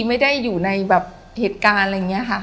ไม่ได้อยู่ในแบบเหตุการณ์อะไรอย่างนี้ค่ะ